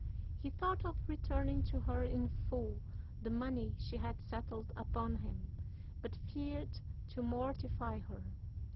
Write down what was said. He thought of returning to her in full the money she had settled upon him, but feared to mortify her.